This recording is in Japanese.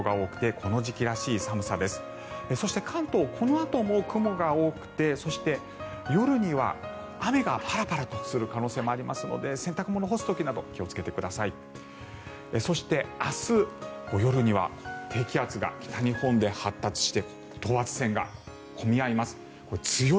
このあとも雲が多くてそして、夜には雨がパラパラとする可能性もありますので洗濯物を干す時など気をつけてください。